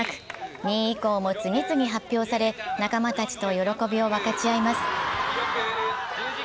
２位以降も次々発表され、仲間たちと喜びを分かち合います。